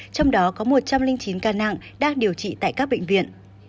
trong đó có một trăm linh chín ca nặng đang điều trị tại các bệnh viện